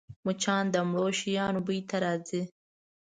مچان د مړو شیانو بوی ته راځي